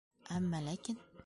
Әммә-ләкин